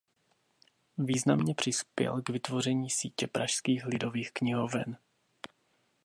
Významně přispěl k vytvoření sítě pražských lidových knihoven.